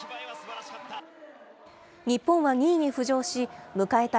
日本は２位に浮上し、迎えた